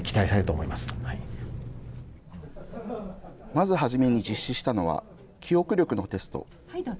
まず初めに実施したのは、記憶力のテスト。